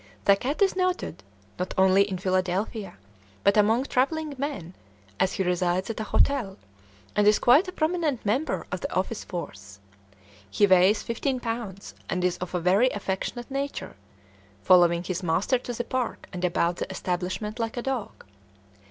The cat is noted, not only in Philadelphia, but among travelling men, as he resides at a hotel, and is quite a prominent member of the office force. He weighs fifteen pounds and is of a very affectionate nature, following his master to the park and about the establishment like a dog.